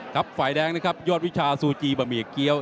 ฝ่ายแดงนะครับยอดวิชาซูจีบะหมี่เกี้ยว